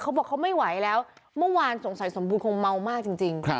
เขาบอกเขาไม่ไหวแล้วเมื่อวานสงสัยสมบูรณคงเมามากจริง